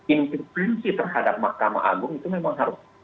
intervensi terhadap mahkamah agung itu memang harus